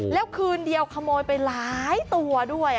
แล้วคืนเดียวขโมยไปหลายตัวด้วย